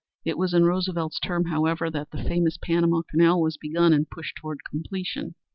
It was in Roosevelt's term, however, that the famous Panama Canal was begun and pushed toward completion.